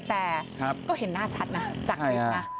แต่ก็เห็นหน้าชัดนะจากคลิปนะ